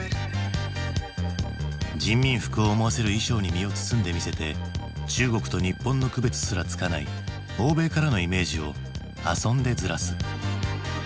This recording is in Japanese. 人民服を思わせる衣装に身を包んでみせて中国と日本の区別すらつかない欧米からのイメージを遊んでずらす。